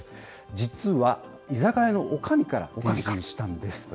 実は、居酒屋のおかみから転身したんです。